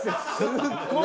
すっごい。